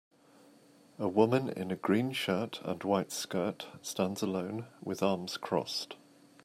A woman in a green shirt and white skirt stands alone with arms crossed.